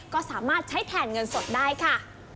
ก็สามารถใช้แทนเงินสดได้ค่ะ